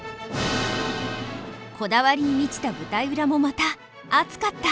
こだわりに満ちた舞台裏もまた熱かった。